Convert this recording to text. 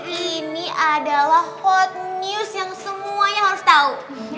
ini adalah hot news yang semuanya harus tahu